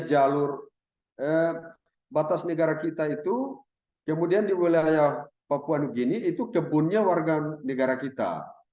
jalur batas negara kita itu kemudian di wilayah papua new guinea itu kebunnya warga negara kita